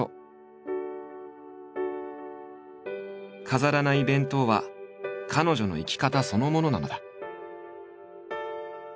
飾らない弁当は彼女の生き方そのものなのだ。